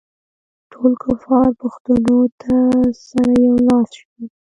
ټول کفار پښتنو ته سره یو لاس شوي.